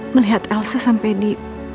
melihat elsa sampai di